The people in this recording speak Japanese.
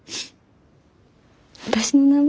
私の名前？